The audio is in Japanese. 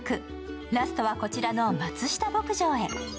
ラストはこちらの松下牧場へ。